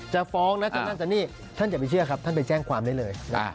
ฟ้องนะจะนั่นจะนี่ท่านอย่าไปเชื่อครับท่านไปแจ้งความได้เลย